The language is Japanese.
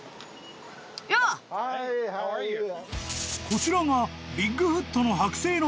［こちらがビッグフットの］